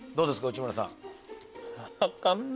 内村さん。